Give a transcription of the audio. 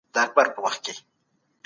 په راتلونکي کې به یې خامخا وینئ.